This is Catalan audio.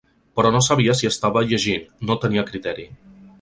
Però no sabia si estava llegint, no tenia criteri.